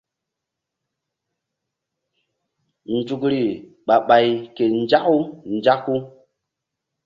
Nzukri ɓah ɓay ke nzaku nzaku.